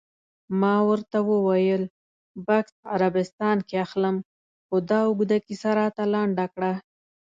ما ورته وویل: بکس عربستان کې اخلم، خو دا اوږده کیسه راته لنډه کړه.